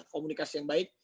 komunikasi yang baik